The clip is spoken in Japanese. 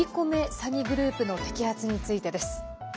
詐欺グループの摘発についてです。